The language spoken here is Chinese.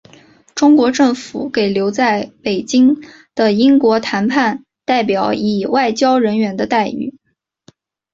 中国政府给留在北京的英国谈判代表以外交人员的待遇。